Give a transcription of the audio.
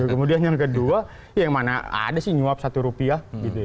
kemudian yang kedua ya yang mana ada sih nyuap satu rupiah